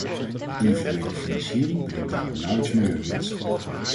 Individuele financiering brengt daarom nauwelijks milieuwinst.